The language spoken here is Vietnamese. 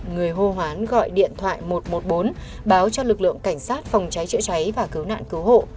người hô hoán gọi điện thoại một trăm một mươi bốn báo cho lực lượng cảnh sát phòng cháy chữa cháy và cứu nạn cứu hộ